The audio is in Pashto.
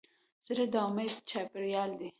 زړه د امید چاپېریال دی.